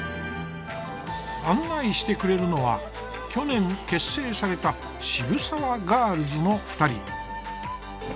案内してくれるのは去年結成されたしぶさわガールズの２人。